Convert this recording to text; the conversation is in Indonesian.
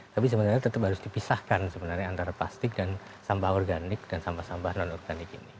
tapi sebenarnya tetap harus dipisahkan sebenarnya antara plastik dan sampah organik dan sampah sampah non organik ini